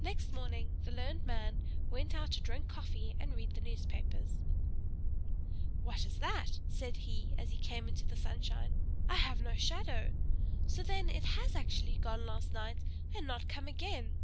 Next morning, the learned man went out to drink coffee and read the newspapers. "What is that?" said he, as he came out into the sunshine. "I have no shadow! So then, it has actually gone last night, and not come again.